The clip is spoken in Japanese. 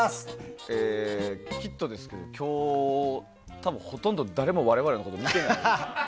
きっとですけど、今日多分、ほとんど誰も我々のこと見ていないと思う。